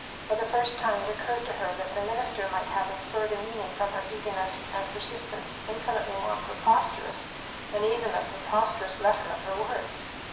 For the first time it occurred to her that the minister might have inferred a meaning from her eagerness and persistence infinitely more preposterous than even the preposterous letter of her words.